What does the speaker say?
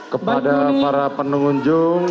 kepada para pengunjung